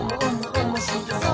おもしろそう！」